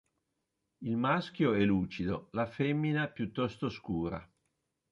Il maschio è lucido, la femmina piuttosto scura.